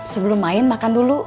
sebelum main makan dulu